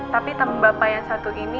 tapi teman bapak yang satu ini